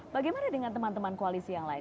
bagaimana dengan teman teman koalisi yang lain